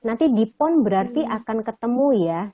nanti di pon berarti akan ketemu ya